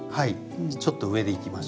ちょっと上でいきましょうか。